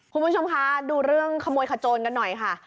คุณผู้ชมคะดูเรื่องขโมยขโจนกันหน่อยค่ะ